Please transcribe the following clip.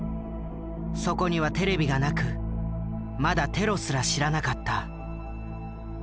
そこにはテレビがなくまだテロすら知らなかった。